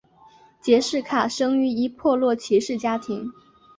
杰式卡生于一破落骑士家庭。